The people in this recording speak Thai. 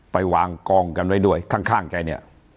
ไปวางกองกันไว้ด้วยข้างแกเนี่ย